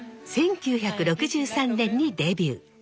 １９６３年にデビュー。